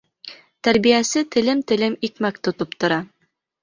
Тәрбиәсе телем-телем икмәк тотоп тора.